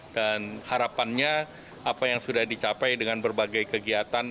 dan harapannya apa yang sudah dicapai dengan berbagai kegiatan